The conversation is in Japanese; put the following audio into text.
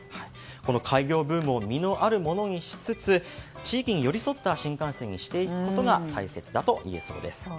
開業ブームを実のあるものにしつつ地域に寄り添った新幹線にしていくことが大切だといえそうです。